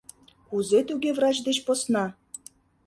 — Кузе-туге врач деч посна?